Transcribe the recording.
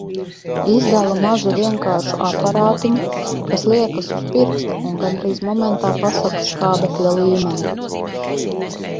Izdala mazu vienkāršu aparātiņu, kas liekas uz pirksta uz gandrīz momentā pasaka skābekļa līmeni.